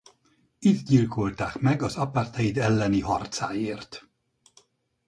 Itt gyilkolták meg az apartheid elleni harcáért.